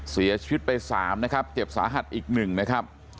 เสียชีวิตไป๓นะครับเจ็บสาหัสอีก๑นะครับ